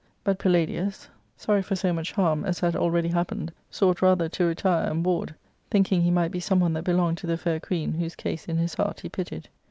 But Palladius, sorry for so much harm as had already happened, sought rather to retire and ward, thinking he might be some one that belonged to the fair queen, whSse case in his heart he pitied.